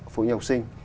phụ huynh học sinh